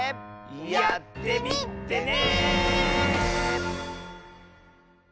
やってみてね！